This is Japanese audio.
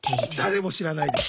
「誰も知らない」です！